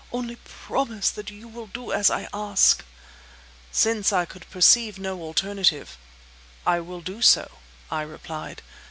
Only promise that you will do as I ask!" Since I could perceive no alternative— "I will do so," I replied.